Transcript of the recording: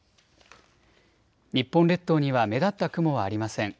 日本列島には目立った雲はありません。